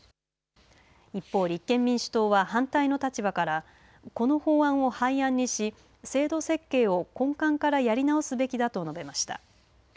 一方立憲民主党は反対の立場からこの法案を廃案にし制度設計を根幹からやり直すべきだと述べました。